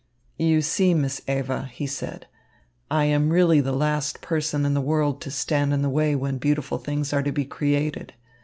"You see, Miss Eva," he said, "I am really the last person in the world to stand in the way when beautiful things are to be created.